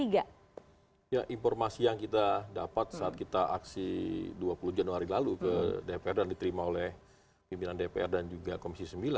ya informasi yang kita dapat saat kita aksi dua puluh januari lalu ke dpr dan diterima oleh pimpinan dpr dan juga komisi sembilan